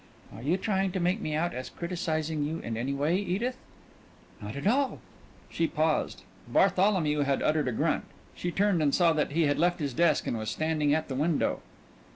"Are you trying to make me out as criticizing you in any way, Edith?" "Not at all " She paused. Bartholomew had uttered a grunt. She turned and saw that he had left his desk and was standing at the window.